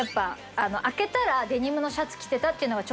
開けたらデニムのシャツ着てたっていうのが。